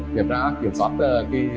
kiểm tra kiểm soát cái